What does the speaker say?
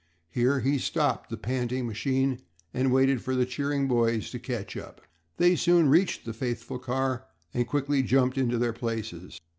Here he stopped the panting machine, and waited for the cheering boys to catch up. They soon reached the faithful car, and quickly jumped into their places.